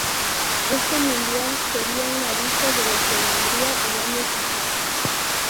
Este mundial sería un aviso de lo que vendría el año siguiente.